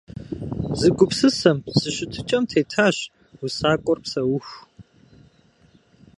Зы гупсысэм, зы щытыкӀэм тетащ усакӀуэр псэуху.